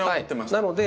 なので。